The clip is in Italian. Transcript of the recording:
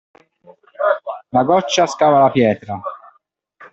La goccia scava la pietra.